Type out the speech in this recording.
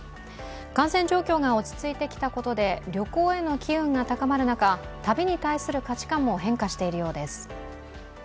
感染状況が落ち着いてきたことで旅行への機運が高まる中旅に対する価値観も変化しているようです。